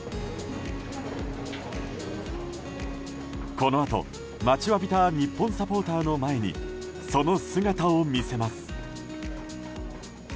このあと待ちわびた日本サポーターの前にその姿を見せます。